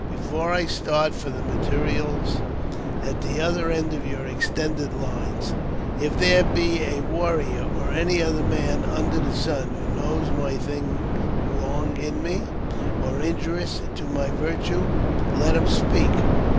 Before I start fo?" the materials at the other end of your extended lines, if there be a warrior, or any other man under the sun, who knows any wrong in me, or injurious to my virtue, let him speak.